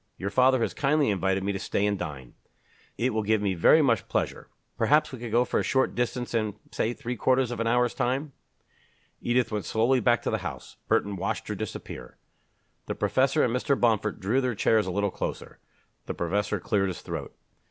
Your father has kindly invited me to stay and dine. It will give me very much pleasure. Perhaps we could go for a short distance in say three quarters of an hour's time?" Edith went slowly back to the house. Burton watched her disappear. The professor and Mr. Bomford drew their chairs a little closer. The professor cleared his throat. "Mr.